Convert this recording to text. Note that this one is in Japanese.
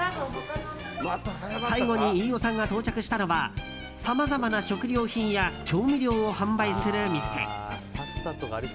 最後に飯尾さんが到着したのはさまざまな食料品や調味料を販売する店。